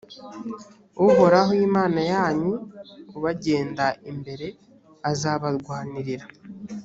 uhoraho imana yanyu ubagenda imbere azabarwanirira